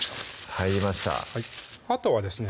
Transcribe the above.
入りましたあとはですね